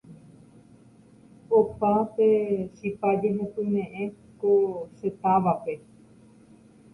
opa pe chipa ñehepyme'ẽ ko che távape